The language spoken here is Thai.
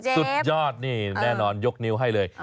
สุดยอดนี่แน่นอนยกนิ้วให้เลย